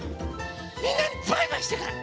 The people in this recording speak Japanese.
みんなにバイバイしてから。